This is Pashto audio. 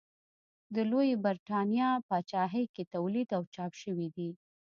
د لویې برېتانیا پاچاهۍ کې تولید او چاپ شوي دي.